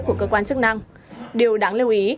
của cơ quan chức năng điều đáng lưu ý